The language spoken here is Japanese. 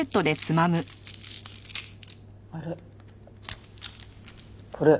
あれ？